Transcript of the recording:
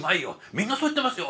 みんなそう言ってますよ」。